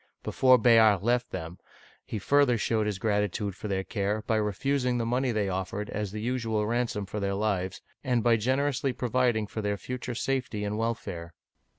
Before Bayard left them, he further showed his gratitude for their care by refusing the money they offered as the usual ransom for their lives, and by generously providing for their future safety and welfare.